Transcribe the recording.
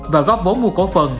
và góp vốn mua cổ phần